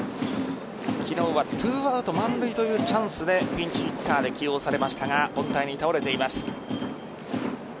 昨日は２アウト満塁というチャンスでピンチヒッターで起用されましたが凡退に倒れています。